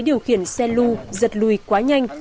điều khiển xe lưu giật lùi quá nhanh